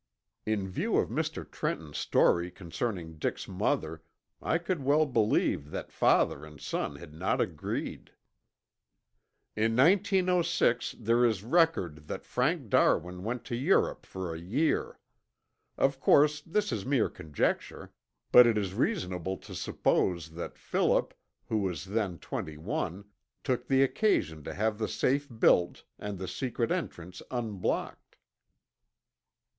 In view of Mr. Trenton's story concerning Dick's mother I could well believe that father and son had not agreed. "In 1906 there is record that Frank Darwin went to Europe for a year. Of course, this is mere conjecture, but it is reasonable to suppose that Philip, who was then twenty one, took the occasion to have the safe built, and the secret entrance unblocked."